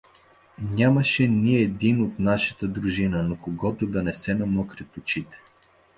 Нямаше ни един от нашата дружина, на когото да не се намокрят очите.